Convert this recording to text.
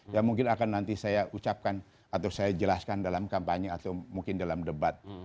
yang mungkin akan nanti saya ucapkan atau saya jelaskan dalam kampanye atau mungkin dalam debat